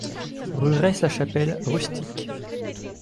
Rue Res La Chapelle, Rustiques